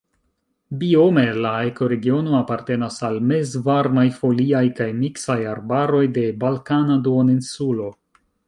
Biome la ekoregiono apartenas al mezvarmaj foliaj kaj miksaj arbaroj de Balkana Duoninsulo.